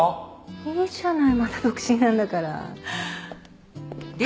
いいじゃないまだ独身なんだから。